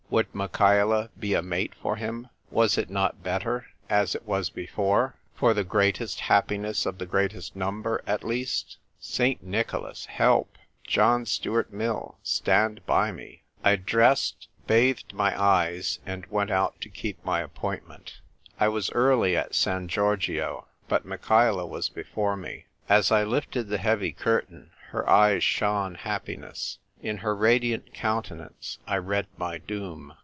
Would Michaela be a mate for him ? Was it not better as it was before — for the greatest happiness of the greatest number at least ? St. Nicholas, help ! John Stuart Mill, stand by me I 256 THE TYPE WRITER GIRL. I dressed, bathed my red eyes, and went out to keep my appointment. I was early at San Giorgio, but Michaela was before me. As I lifted the heavy curtain, her eyes shone happiness. In her radiant countenance I read my doom.